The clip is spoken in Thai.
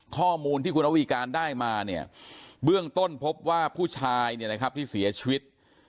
ข้อมูลที่คุณระวีการได้มาเนี่ยเบื้องต้นพบว่าผู้ชายเนี่ยนะครับที่เสียชีวิต